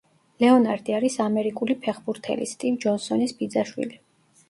ლეონარდი არის ამერიკული ფეხბურთელის, სტივ ჯონსონის ბიძაშვილი.